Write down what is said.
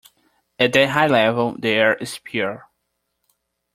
At that high level the air is pure.